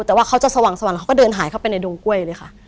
แต่เขาสว่างแล้วเขาเกิดหายกับดงก้วย